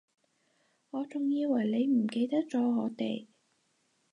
我仲以為你唔記得咗我哋